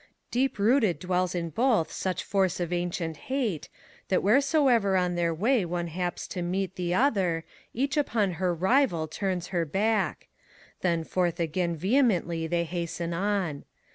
Deep rooted dwells in both such force of ancient hate, That wheresoever on their way one haps to meet The other, each upon her rival turns her back : Then forth again vehemently they hasten on.